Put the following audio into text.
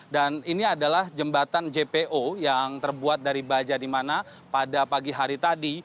dan ini adalah jembatan jpo yang terbuat dari baja di mana pada pagi hari tadi